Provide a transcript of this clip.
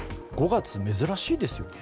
５月、珍しいですよね。